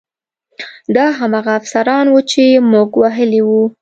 دا هماغه افسران وو چې موږ وهلي وو